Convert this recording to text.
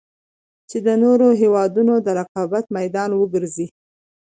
چـې د نـورو هېـوادونـو د رقـابـت مـيدان وګـرځـي.